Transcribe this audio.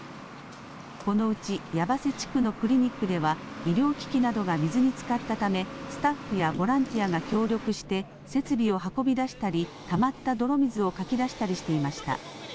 このうち八橋地区のクリニックでは医療機器などが水につかったため、スタッフやボランティアが協力して設備を運び出したりたまった泥水をかき出したりしていました。